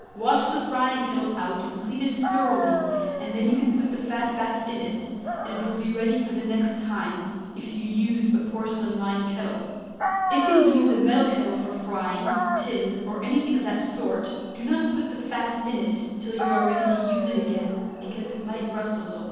Wash the frying kettle out and clean it thoroughly, and then you can put the fat back in it, and it will be ready for the next time, if you use a porcelain lined kettle; if you use a metal kettle for frying, tin or anything of that sort, do not put the fat in it till you are ready to use it again, because it might rust it a little.